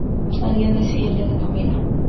El guion es fiel a la novela.